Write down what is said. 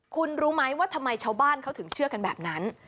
คุณรู้ไหมว่าทำไมชาวบ้านเขาถึงเชื่อกันแบบนั้น